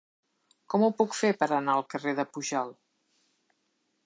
Com ho puc fer per anar al carrer de Pujalt?